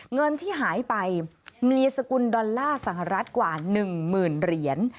เงินที่หายไปมีสกุลดอลลาร์สหรัฐกว่า๑หมื่นเหรียญ